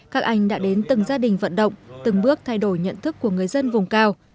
các anh đã đến từng gia đình vận động từng bước thay đổi nhận thức của người dân vùng cao